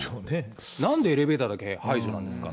なんでエレベーターだけ排除なんですか。